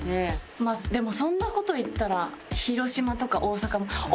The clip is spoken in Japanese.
まあでもそんな事言ったら広島とか大阪も。